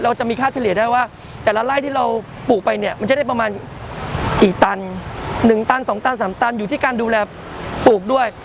จะมีค่าเฉลี่ยได้ว่าแต่ละไร่ที่เราปลูกไปเนี่ยมันจะได้ประมาณกี่ตัน๑ตัน๒ตัน๓ตันอยู่ที่การดูแลปลูกด้วย